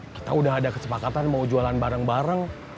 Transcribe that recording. kita udah ada kesepakatan mau jualan bareng bareng